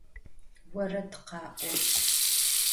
Vored kha'o!